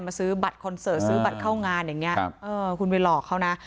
ซื้อบัตรคอนเสิร์ตซื้อบัตรเข้างานอย่างนี้คุณไปหลอกเขานะ